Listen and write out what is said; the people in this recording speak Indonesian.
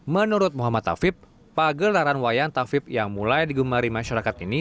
menurut muhammad tawib pagelaran wayang tawib yang mulai digumari masyarakat ini